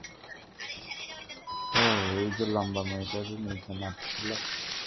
ওহ, ওইযে লম্বা মেয়েটা যে নিচে নাচছিল?